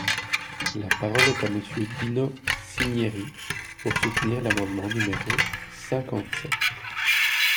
La parole est à Monsieur Dino Cinieri, pour soutenir l’amendement numéro cinquante-sept.